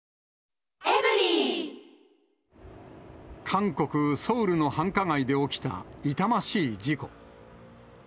韓国・ソウルの繁華街で起きた痛ましい事故。